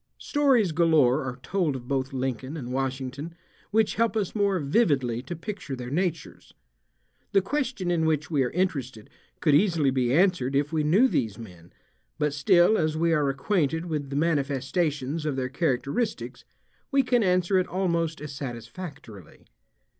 Stories galore are told of both Lincoln and Washington, which help us more vividly to picture their natures. The question in which we are interested could easily be answered if we knew these men, but still as we are acquainted with the manifestations of their characteristics we can answer it almost as satisfactorily.